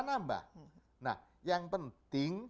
nambah nah yang penting